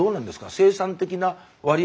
生産的な割合